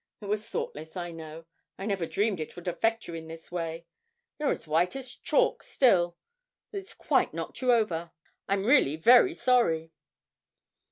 It was thoughtless, I know. I never dreamed it would affect you in this way; you're as white as chalk still it's quite knocked you over. I'm really very sorry!'